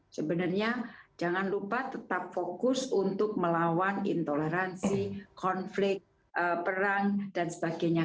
sebenarnya jangan lupa tetap fokus untuk melawan intoleransi konflik perang dan sebagainya